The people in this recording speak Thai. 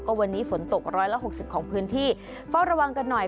ก็วันนี้ฝนตก๑๖๐ของพื้นที่เฝ้าระวังกันหน่อย